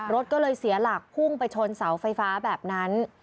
รถก็เลยเสียหลักพุ่งไปชนเสาไฟฟ้าแบบนั้น